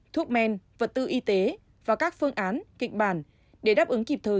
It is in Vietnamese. thuốc men vật tư y tế và các phương án kịch bản để đáp ứng kịp thời